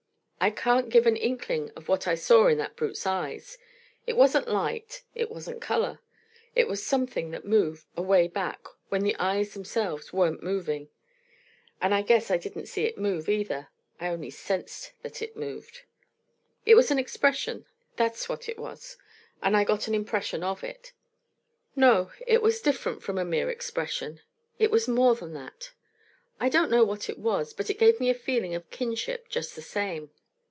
I can't give an inkling of what I saw in that brute's eyes; it wasn't light, it wasn't color; it was something that moved, away back, when the eyes themselves weren't moving. And I guess I didn't see it move, either; I only sensed that it moved. It was an expression, that's what it was, and I got an impression of it. No; it was different from a mere expression; it was more than that. I don't know what it was, but it gave me a feeling of kinship just the same.